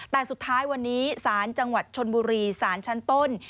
แต่สุดท้ายวันนี้ศาลจังหวัดชนบุรีสารชั้นต้น